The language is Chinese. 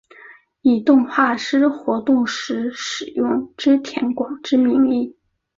以动画师活动时使用织田广之名义。